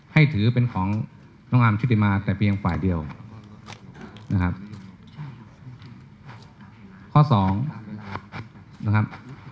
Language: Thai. ให้ถือเป็นของน้องอาร์มชุดิมาแต่เพียงฝ่ายเดียวนะครับ